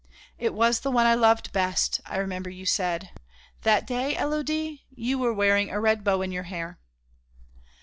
'It was the one I loved best,' I remember you said. That day, Élodie, you were wearing a red bow in your hair."